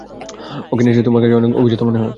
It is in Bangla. ওকে নিশ্চয়ই তোমার কাছে অনেক অভিজাত মনে হয়।